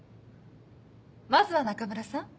まずは中村さん。